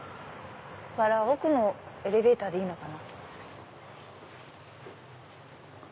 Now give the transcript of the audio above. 奥のエレベーターでいいのかな。